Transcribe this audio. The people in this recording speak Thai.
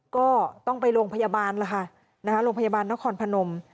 ก็ต้องไปโรงพยาบาลล่ะค่ะโรงพยาบาลนครพนม